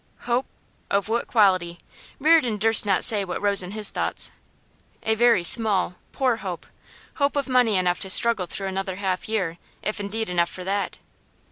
Hope? Of what quality? Reardon durst not say what rose in his thoughts. 'A very small, poor hope. Hope of money enough to struggle through another half year, if indeed enough for that.